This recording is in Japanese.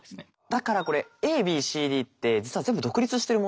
だからこれＡＢＣＤって実は全部独立してる問題なんですよ。